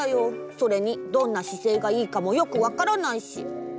それにどんなしせいがいいかもよくわからないし。